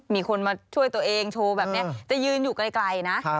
มีคนมาช่วยตัวเองโชว์แบบนี้จะยืนอยู่ไกลนะ